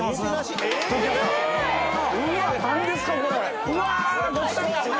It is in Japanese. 何ですか⁉これ。